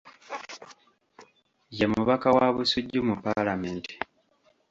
Ye mubaka wa Busujju mu Paalamenti.